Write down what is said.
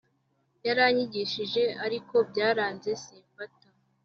Yaranyigishije ariko byaranze simfata